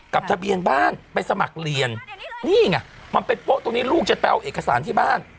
ทะเบียนบ้านไปสมัครเรียนนี่ไงมันเป็นโป๊ะตรงนี้ลูกจะไปเอาเอกสารที่บ้าน